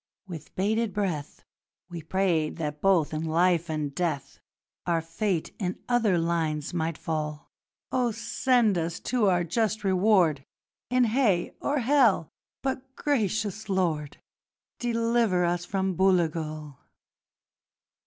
With bated breath We prayed that both in life and death Our fate in other lines might fall: 'Oh, send us to our just reward In Hay or Hell, but, gracious Lord, Deliver us from Booligal!'